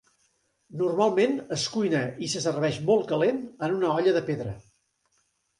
Normalment es cuina i se serveix molt calent en una olla de pedra.